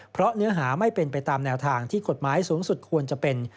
เพราะเนื้อหาไม่เป็นไปตามแนวทางที่กฎหมายสูงสุดควรจะเป็น